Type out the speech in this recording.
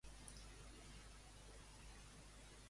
A mi m'agrada la pizza de marisc